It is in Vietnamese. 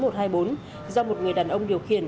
do một người đàn ông điều khiển